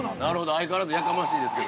相変わらずやかましいですけど。